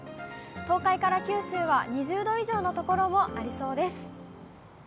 東海から九州は２０度以上の所もありそうです。